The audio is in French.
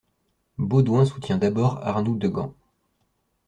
Baudouin soutient d'abord Arnould de Gand.